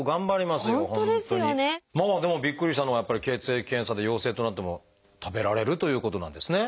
まあでもびっくりしたのはやっぱり血液検査で陽性となっても食べられるということなんですね。